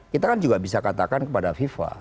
kita kan juga bisa katakan kepada fifa